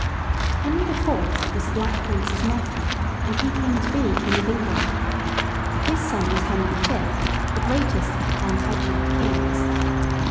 ] HENRY the Fourth was the Black Prince's nephew, and he came to be king of England. His son was Henry the Fifth, the greatest of the Plantagenet kings.